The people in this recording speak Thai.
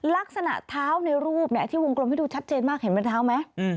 ลักษณะเท้าในรูปที่วงกลมให้ดูชัดเจนมากเห็นเป็นเท้าไหม